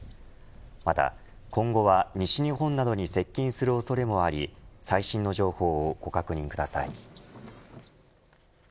また今後は西日本などに接近する恐れもあり最新の情報をご確認ください。